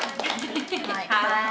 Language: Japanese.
はい。